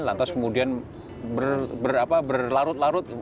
lantas kemudian berlarut larut